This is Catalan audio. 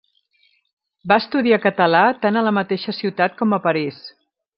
Va estudiar català tant a la mateixa ciutat com a París.